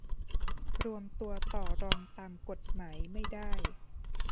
รวมตัวต่อรองตามกฎหมายไม่ได้